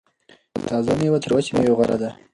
تازه میوه تر وچې میوې غوره ده.